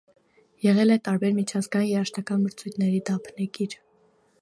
Եղել է տարբեր միջազգային երաժշտական մրցույթների դափնեկիր։